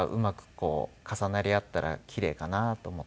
こう重なり合ったらキレイかなと思って。